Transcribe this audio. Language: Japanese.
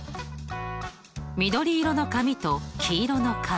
緑色の紙と黄色の紙。